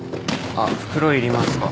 あっ袋いりますか？